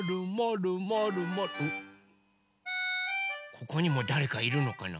ここにもだれかいるのかな？